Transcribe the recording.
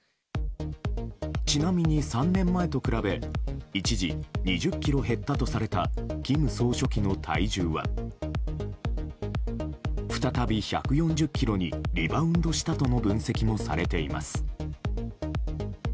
ちなみに３年前と比べ一時２０ｋｇ減ったとされた金総書記の体重は再び、１４０ｋｇにリバウンドしたとの分析もされています。